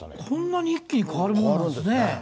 こんなに一気に変わるもんなんですね。